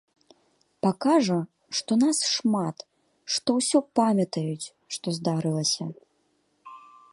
Пакажа, што нас шмат, што ўсё памятаюць, што здарылася.